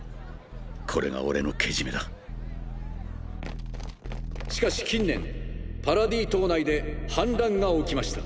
これが俺のけじめだしかし近年パラディ島内で反乱が起きました。